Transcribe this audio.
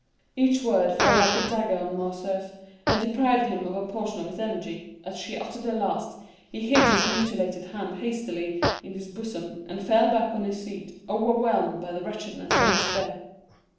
Each word fell like a dagger on Morcerf, and deprived him of a portion of his energy; as she uttered the last, he hid his mutilated hand hastily in his bosom, and fell back on his seat, overwhelmed by wretchedness and despair.